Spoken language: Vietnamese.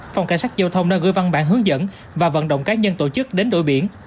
phòng cảnh sát giao thông đã gửi văn bản hướng dẫn và vận động cá nhân tổ chức đến đội biển